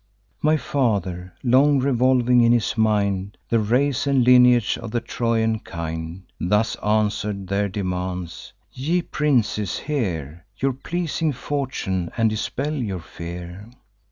My father, long revolving in his mind The race and lineage of the Trojan kind, Thus answer'd their demands: 'Ye princes, hear Your pleasing fortune, and dispel your fear.